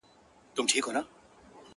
خو هيڅ نه سي ويلای تل,